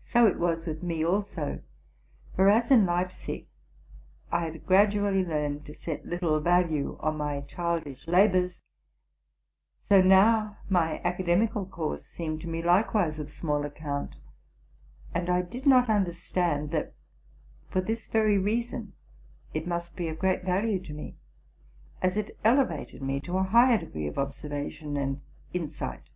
So it was with me also. For as in Leipzig I had gradually learned to set little value on my childish labors, so now my academical course seemed to me likewise of small account ; and I did not understand, that, for this very reason, it must be of great value to me, as it elevated me to a higher degree of observation and insight.